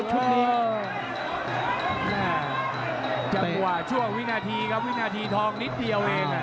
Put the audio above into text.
จังหวะชั่ววินาทีครับวินาทีทองนิดเดี๋ยวเอง